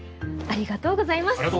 ありがとうございます。